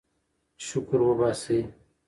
شکر وباسئ.